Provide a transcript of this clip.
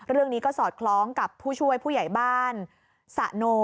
เรื่องนี้ก็สอดคล้องกับผู้ช่วยผู้ใหญ่บ้านสะโน